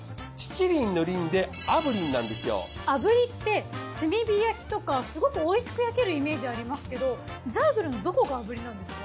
炙りって炭火焼とかすごくおいしく焼けるイメージありますけどザイグルのどこが炙りなんですか？